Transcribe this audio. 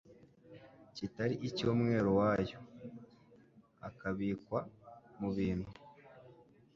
kitari icy’umwero wayo, akabikwa mu bintu